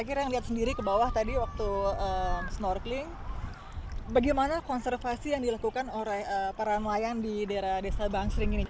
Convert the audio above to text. akhirnya saya melihat sendiri ke bawah tadi waktu snorkeling bagaimana konservasi yang dilakukan peran nelayan di daerah desa bang sling ini